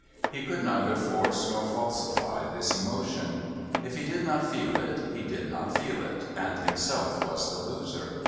He could neither force nor falsify this emotion. If he did not feel it he did not feel it, and himself was the loser.